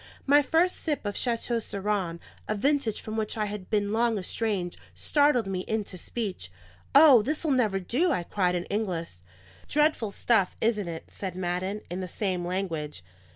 My first sip of Chateau Siron, a vintage from which I had been long estranged, startled me into speech. "O, this'll never do!" I cried, in English. "Dreadful stuff, isn't it?" said Madden, in the same language.